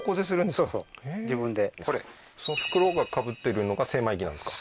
そうそう自分でこれその袋がかぶってるのが精米機なんですか？